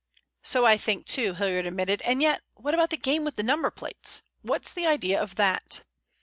"So I think too," Hilliard admitted. "And yet, what about the game with the number plates? What's the idea of that?"